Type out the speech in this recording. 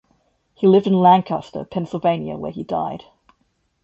He lived in Lancaster, Pennsylvania, where he died.